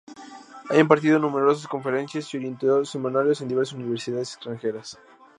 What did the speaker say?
Ha impartido numerosas conferencias y orientó seminarios en diversas Universidades extranjeras.